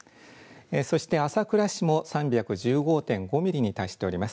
そして朝倉市も３１５．５ミリに達しております。